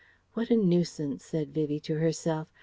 "What a nuisance," said Vivie to herself.